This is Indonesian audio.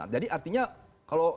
jadi artinya kalau